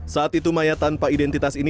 saat itu mayat tanpa identitas ini